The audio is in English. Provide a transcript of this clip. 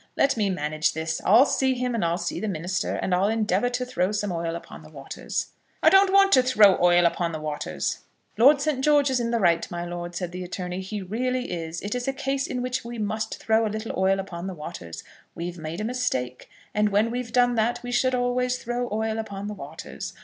Let me manage this. I'll see him, and I'll see the minister, and I'll endeavour to throw some oil upon the waters." "I don't want to throw oil upon the waters." "Lord St. George is in the right, my lord," said the attorney; "he really is. It is a case in which we must throw a little oil upon the waters. We've made a mistake, and when we've done that we should always throw oil upon the waters.